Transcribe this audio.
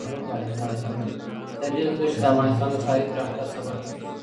د ریګ دښتې د افغانستان د ښاري پراختیا سبب کېږي.